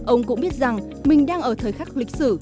ông cũng biết rằng mình đang ở thời khắc lịch sử